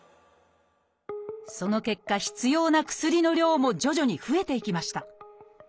その結果必要な薬の量も徐々に増えていきました。